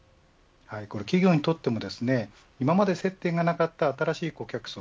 企業にとっても、今まで接点がなかった新しい顧客層